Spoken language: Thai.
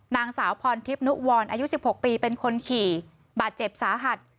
นางสาวพรทิพย์นุวรอายุ๑๖ปีเป็นคนขี่บาดเจ็บสาหัส